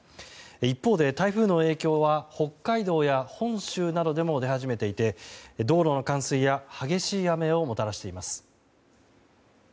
一方で台風の影響は北海道や本州などでも出始めていて道路の冠水や激しい雨をもたらしています。